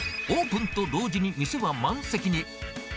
オープンと同時に店は満席に。